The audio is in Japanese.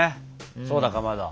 そうだかまど。